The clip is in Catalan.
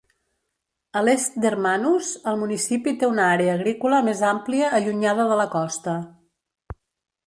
A l'est d'Hermanus, el municipi té una àrea agrícola més àmplia allunyada de la costa.